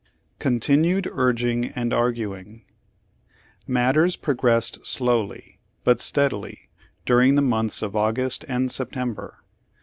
CONTINUED UEGING AND ARGUING Matters progressed slowly, but steadily during the months of August and September.